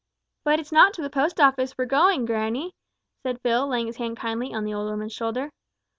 "But it's not to the Post Office we're goin', grannie," said Phil, laying his hand kindly on the old woman's shoulder.